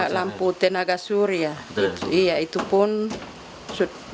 lampu tenaga surya itu pun baru empat tahun